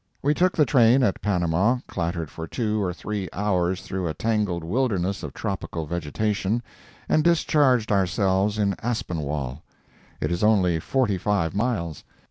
We took the train at Panama, clattered for two or three hours through a tangled wilderness of tropical vegetation, and discharged ourselves in Aspinwall. It is only forty five miles.